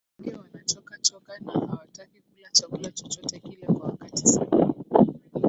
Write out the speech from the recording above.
Ndege wanachoka choka na hawataki kula Chakula chochote kile kwa wakati sahihi